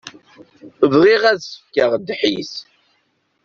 Bɣiɣ ad s-fkeɣ ddḥis.